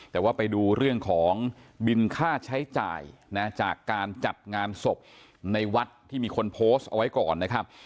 แต่ว่าไปดูเรื่องของบินค่าใช้จ่ายนะจากการจัดงานศพในวัดที่มีคนโพสต์เอาไว้ก่อนนะครับ